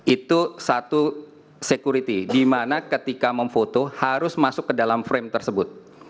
itu satu security di mana ketika memfoto harus masuk ke dalam frame tersebut